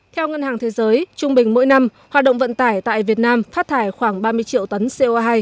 theo ngân hàng thế giới trung bình mỗi năm hoạt động vận tải tại việt nam phát thải khoảng ba mươi triệu tấn co hai